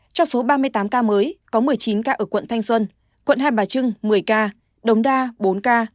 trong số ba mươi tám ca mới có một mươi chín ca ở quận thanh xuân quận hai bà trưng một mươi ca đống đa bốn ca